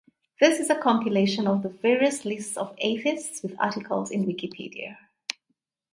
This is a compilation of the various lists of atheists with articles in Wikipedia.